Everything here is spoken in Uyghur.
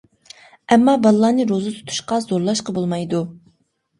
ئەمما بالىلارنى روزا تۇتۇشقا زورلاشقا بولمايدۇ.